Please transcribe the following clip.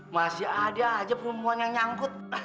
masih ada aja perempuan yang nyangkut